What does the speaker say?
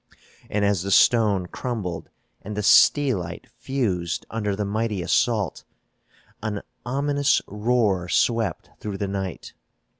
And, as the stone crumbled and the steelite fused under the mighty assault, an ominous roar swept through the night.